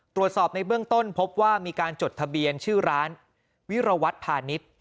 ตรวจสอบในเบื้องต้นพบว่ามีการจดทะเบียนชื่อร้านวิรวัตรพาณิชย์